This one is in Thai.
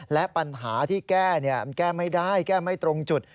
และปัญหาที่แก้มันแก้ไม่ได้แก้ไม่ตรงจุด